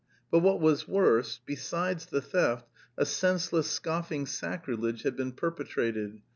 But what was worse, besides the theft a senseless, scoffing sacrilege had been perpetrated.